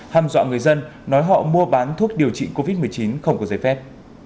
ham dọa người dân nói họ mua bán thuốc điều trị covid một mươi chín không có giấy phép